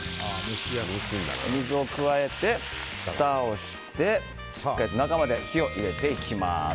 お水を加えてふたをして中まで火を入れていきます。